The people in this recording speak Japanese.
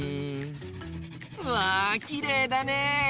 わあきれいだね。